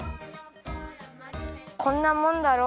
こんなもんだろう。